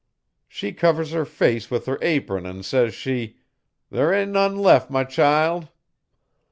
'She covers her face with her apron an' says she, "There am none left, my child."